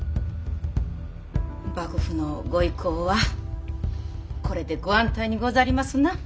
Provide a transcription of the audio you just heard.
幕府の御威光はこれで御安泰にござりますな。